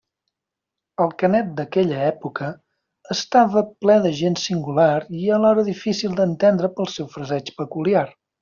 El Canet d'aquella època estava ple de gent singular i alhora difícil d'entendre pel seu fraseig peculiar.